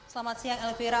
selamat siang elvira